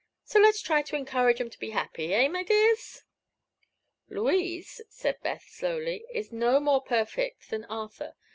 So let's try to encourage 'em to be happy; eh, my dears?" "Louise," said Beth, slowly, "is no more perfect than Arthur.